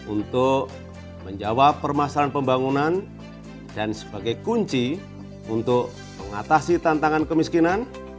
untuk menjawab permasalahan pembangunan dan sebagai kunci untuk mengatasi tantangan kemiskinan